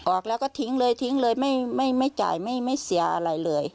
ออกแล้วก็ทิ้งเลยทิ้งเลยไม่จ่ายไม่เสียอะไรเลย